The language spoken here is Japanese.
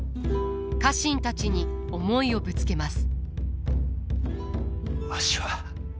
家臣たちに思いをぶつけます。